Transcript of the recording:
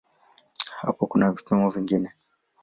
Hapo kuna vipimo vingine.